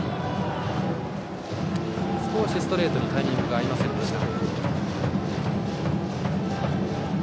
少しストレートにタイミングが合いませんでした。